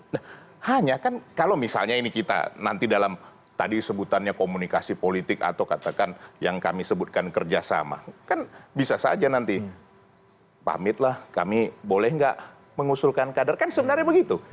nah hanya kan kalau misalnya ini kita nanti dalam tadi sebutannya komunikasi politik atau katakan yang kami sebutkan kerjasama kan bisa saja nanti pamitlah kami boleh nggak mengusulkan kader kan sebenarnya begitu